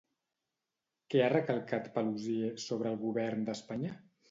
Què ha recalcat Paluzie sobre el govern d'Espanya?